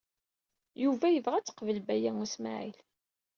Yuba yebɣa ad d-teqqel Baya U Smaɛil.